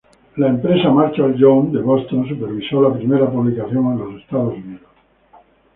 La Marshall Jones Company of Boston supervisó la primera publicación en los Estados Unidos.